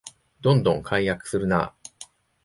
どんどん改悪するなあ